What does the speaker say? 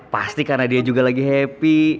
pasti karena dia juga lagi happy